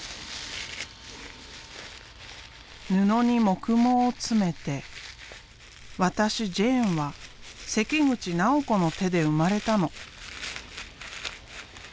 布に木毛を詰めて私ジェーンは関口直子の手で生まれたの。